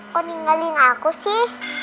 kok ninggalin aku sih